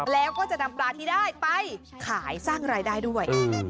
แล้วก็จะนำปลาที่ได้ไปขายสร้างรายได้ด้วย